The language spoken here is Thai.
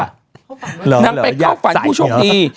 นำไปเข้าฝันผู้โชคดี